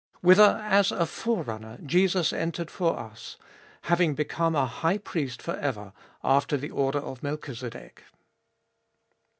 Whither as a Forerunner Jesus entered for us, having become a High Priest for ever after the order of Melchizedek.